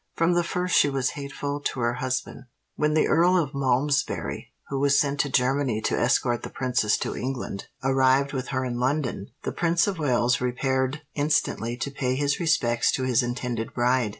"From the first she was hateful to her husband. When the Earl of Malmsbury, who was sent to Germany to escort the Princess to England, arrived with her in London, the Prince of Wales repaired instantly to pay his respects to his intended bride.